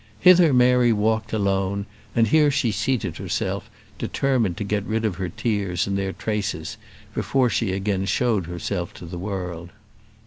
Hither Mary walked alone, and here she seated herself, determined to get rid of her tears and their traces before she again showed herself to the world.